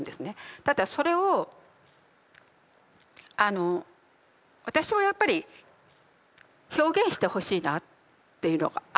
ただそれを私はやっぱり表現してほしいなっていうのがあって。